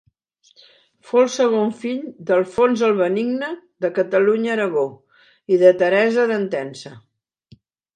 Fou el segon fill d'Alfons el Benigne de Catalunya-Aragó i de Teresa d'Entença.